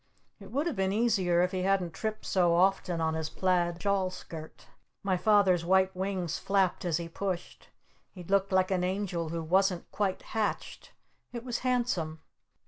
It would have been easier if he hadn't tripped so often on his plaid shawl skirt! My Father's white wings flapped as he pushed! He looked like an angel who wasn't quite hatched! It was handsome!